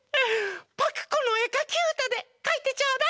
パクこのえかきうたでかいてちょうだいフフフ！